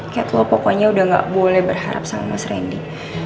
cat lo pokoknya udah gak boleh berharap sama mas randy